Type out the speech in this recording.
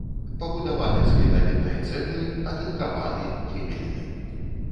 Пабудаваны з глінабітнай цэглы, атынкаваны, выбелены.